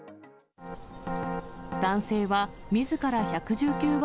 男性はみずから１１９番